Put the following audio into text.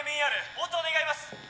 応答願います